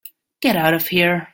Get out of here.